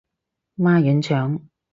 孖膶腸